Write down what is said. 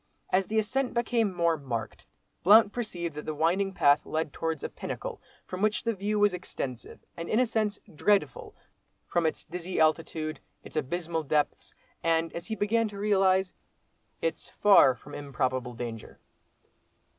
As the ascent became more marked, Blount perceived that the winding path led towards a pinnacle from which the view was extensive, and in a sense, dreadful, from its dizzy altitude—its abysmal depths,—and, as he began to realise, its far from improbable danger.